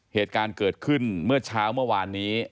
เหตุการณ์เกิดขึ้นเมื่อเช้าเมื่อวานนี้